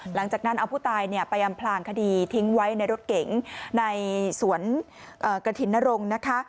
หลังจากนั้นเอาผู้ตายไปอำพลางคดีทิ้งไว้ในรถเก๋งในสวนกระถิ่นนรงค์นะคะ